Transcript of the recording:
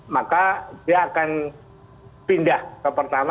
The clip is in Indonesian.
maka dia akan pindah ke pertama